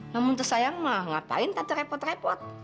namun tuh sayang mah ngapain tante repot repot